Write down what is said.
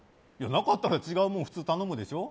なかったら違うもん頼むでしょ？